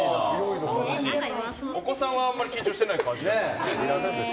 お子さんはあんまり緊張してない感じで。